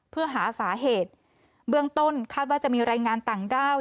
เพื่อหาสาเหตุเบื้องต้นคาดว่าจะมีรายงานต่างด้าว